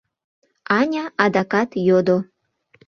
— Аня адакат йодо.